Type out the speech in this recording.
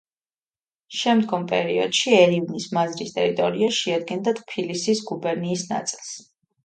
შემდგომ პერიოდში ერივნის მაზრის ტერიტორია შეადგენდა ტფილისის გუბერნიის ნაწილს.